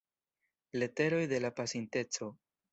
Leteroj de la Pasinteco.